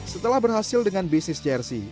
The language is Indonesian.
setelah berhasil dengan bisnis jersey